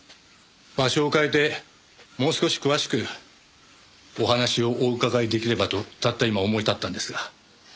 場所を変えてもう少し詳しくお話をお伺い出来ればとたった今思い立ったんですが。